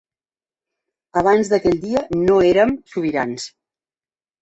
Abans d'aquell dia no érem sobirans.